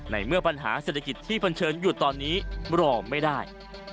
ในเมื่อปัญหาเศรษฐกิจที่เผชิญอยู่ตอนนี้รอไม่ได้